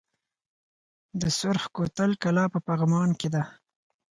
د سرخ کوتل کلا په بغلان کې ده